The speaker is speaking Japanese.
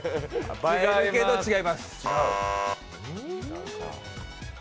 違います。